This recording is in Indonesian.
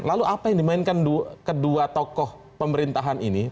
lalu apa yang dimainkan kedua tokoh pemerintahan ini